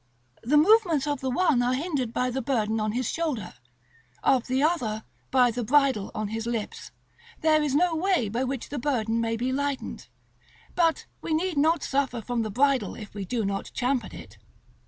The movements of the one are hindered by the burden on his shoulder; of the other, by the bridle on his lips: there is no way by which the burden may be lightened; but we need not suffer from the bridle if we do not champ at it.